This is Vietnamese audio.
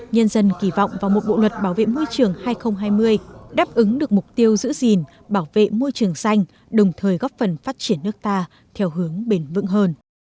nhân dân kỳ vọng vào một bộ luật bảo vệ môi trường hai nghìn hai mươi đáp ứng được mục tiêu giữ gìn bảo vệ môi trường xanh đồng thời góp phần phát triển nước ta theo hướng bền vững hơn